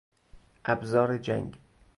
ابزار جنگ